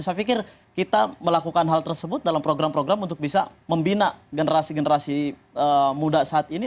saya pikir kita melakukan hal tersebut dalam program program untuk bisa membina generasi generasi muda saat ini